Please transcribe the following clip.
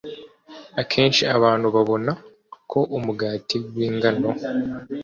Akenshi abantu babona ko umugati wingano